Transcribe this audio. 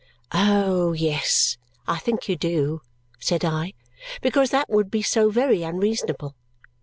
"Oh, yes, I think you do," said I, "because that would be so very unreasonable.